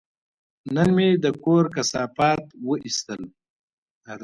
نن مې د کور کثافات وایستل.